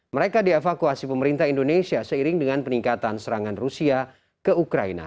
mereka dievakuasi pemerintah indonesia seiring dengan peningkatan serangan rusia ke ukraina